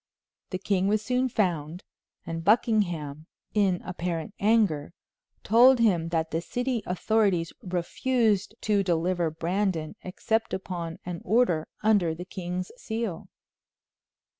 The king was soon found, and Buckingham, in apparent anger, told him that the city authorities refused to deliver Brandon except upon an order under the king's seal.